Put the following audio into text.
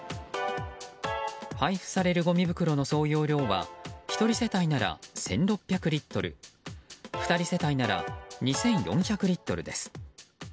配布されるごみ袋の総容量は１人世帯なら１６００リットル２人世帯なら２４００リットルです。